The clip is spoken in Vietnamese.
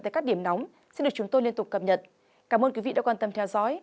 tại các điểm nóng xin được chúng tôi liên tục cập nhật cảm ơn quý vị đã quan tâm theo dõi